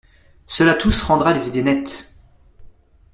Cela tous rendra les idées nettes.